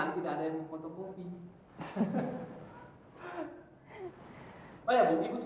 hingga soal soal ulangan tidak ada yang mau untuk buki